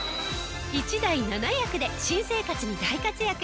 １台７役で新生活に大活躍！